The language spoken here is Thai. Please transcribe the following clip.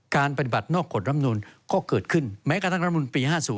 ปฏิบัตินอกกฎรำนูลก็เกิดขึ้นแม้กระทั่งรัฐมนุนปี๕๐